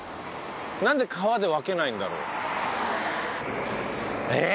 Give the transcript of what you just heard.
なんで川で分けないんだろう？え！